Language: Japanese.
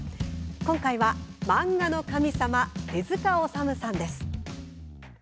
今回は、漫画の神様手塚治虫さんです。